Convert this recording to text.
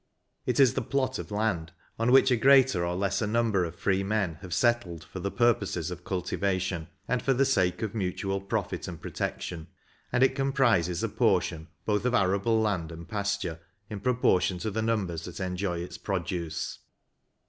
It is the plot of land on which a greater or lesser number of free men have settled for the purposes of cultivation, and for the sake of mutual profit and protection ; and it comprises a portion both of arable land and pasture, in proportion to the numbers that enjoy its produce."